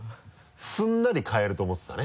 すんなり買えると思ってたね。